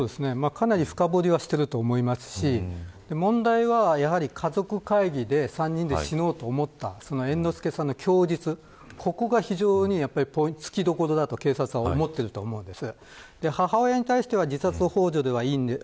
かなり深堀りしていると思いますし問題は、家族会議で３人で死のうと思った猿之助さんの供述これが非常に突きどころだと警察は思ってると思います。